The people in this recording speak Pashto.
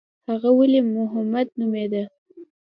هغه ولي محمد نومېده.